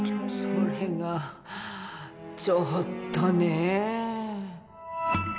それがちょっとねえ。